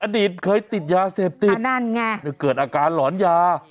อดีตเคยติดยาเสพติดนั่นไงเกิดอาการหลอนยา